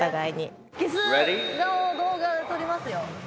キス顔動画撮りますよ。